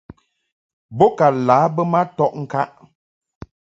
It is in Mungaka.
Bo ka lǎ bə ma tɔʼ ŋkaʼ.